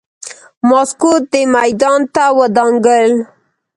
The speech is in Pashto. ماسکو دې میدان ته ودانګل.